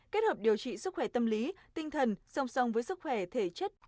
kết hợp điều trị sức khỏe tâm lý tinh thần song song với sức khỏe thể chất